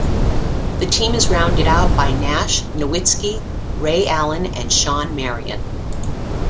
The team is rounded out by Nash, Nowitzki, Ray Allen, and Shawn Marion.